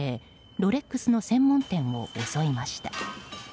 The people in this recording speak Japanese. ロレックスの専門店を襲いました。